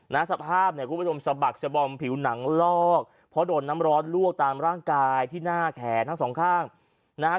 สภาพเนี่ยคุณผู้ชมสะบักสะบอมผิวหนังลอกเพราะโดนน้ำร้อนลวกตามร่างกายที่หน้าแขนทั้งสองข้างนะฮะ